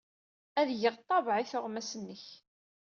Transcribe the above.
Ad d-geɣ ḍḍabeɛ i tuɣmas-nnek.